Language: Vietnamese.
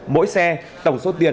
mỗi xe tổng số tiền